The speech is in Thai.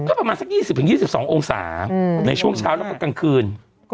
ก็ประมาณสัก๒๐๒๒องศาในช่วงเช้าแล้วก็กลางคืน